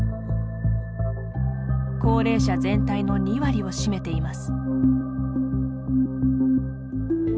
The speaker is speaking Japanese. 高齢者全体の２割を占めています。